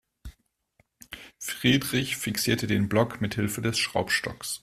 Friedrich fixierte den Block mithilfe des Schraubstocks.